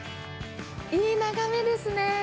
いい眺めですね。